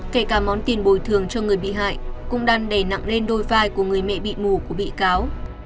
kể cả món tiền bồi thường cho người bị hại cũng đang đè nặng lên đôi vai của người mẹ bị mù của bị cáo